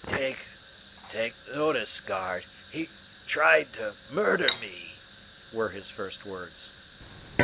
"Take notice, guard,—he tried to murder me," were his first words.